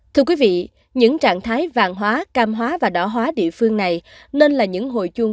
thưa quý vị những trạng thái vàng hóa cam hóa và đỏ hóa địa phương này nên là những hồi chuông